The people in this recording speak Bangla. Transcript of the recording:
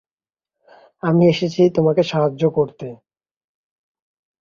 আমি এসেছি তোমাকে সাহায্য করতে।